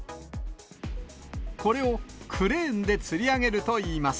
これをクレーンでつり上げるといいます。